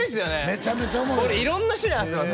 めちゃめちゃおもろい俺色んな人に話してます